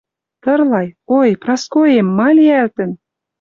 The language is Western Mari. Тырлай... Ой, Праскоэм!.. Ма лиӓлтӹн?..» —